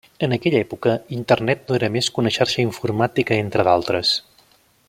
En aquella època, Internet no era més que una xarxa informàtica entre d'altres.